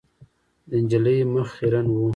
د نجلۍ مخ خیرن و .